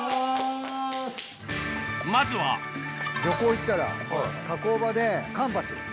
まずは漁港行ったら加工場でカンパチ。